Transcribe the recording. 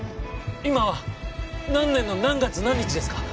今は何年の何月何日ですか？